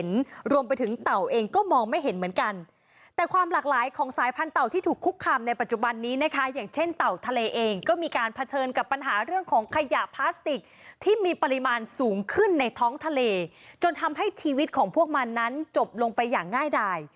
ในการเผชิญกับปัญหาเรื่องของขยะพลาสติกที่มีปริมาณสูงขึ้นในท้องทะเลจนทำให้ชีวิตของพวกมันนั้นจบลงไปอย่างง่ายดาย